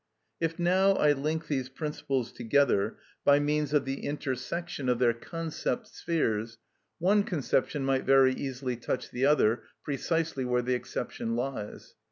If now I link these principles together by means of the intersection of their concept spheres, one conception might very easily touch the other precisely where the exception lies.